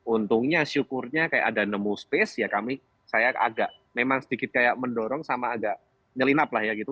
untungnya syukurnya kayak ada nemu space ya kami saya agak memang sedikit kayak mendorong sama agak nyelinap lah ya gitu